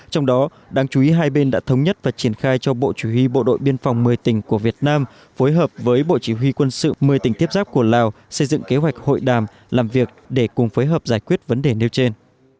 trong đó đáng chú ý hai bên đã thống nhất và triển khai cho bộ chủ huy bộ đội biên phòng một mươi tỉnh của việt nam phối hợp với bộ chỉ huy quân sự một mươi tỉnh tiếp giáp của lào xây dựng kế hoạch hội đàm làm việc để cùng phối hợp giải quyết vấn đề nêu trên